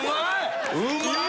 うまい！